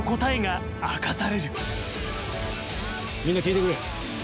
みんな聞いてくれ。